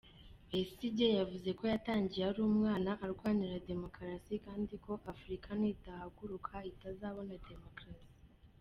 Besigye yavuze ko yatangiye ari umwana arwanira demokarasi, kandi ko Afurika nidahaguruka itazabona demokarasi.